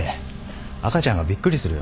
赤ちゃんがびっくりするよ。